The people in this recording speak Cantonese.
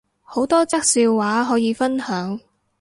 好多則笑話可以分享